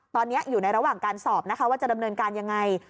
ตอนนี้อยู่ในระหว่างการสอบนะคะว่าจะดำเนินการยังไง